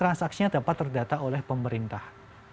transaksinya dapat terdata oleh pemerintah